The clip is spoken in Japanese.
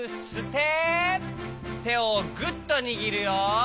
てをグッとにぎるよ。